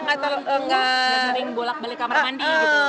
nggak sering bolak balik kamar mandi gitu